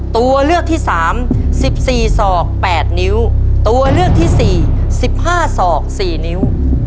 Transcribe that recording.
ตัวเลือกที่สามสิบสี่ศอกแปดนิ้วตัวเลือกที่สี่สิบห้าศอกสี่นิ้ว